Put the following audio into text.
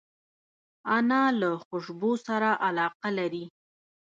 انا له خوشبو سره علاقه لري